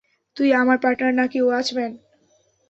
তুই আমার পার্টনার নাকি ওয়াচম্যান?